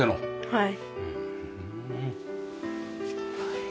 はい。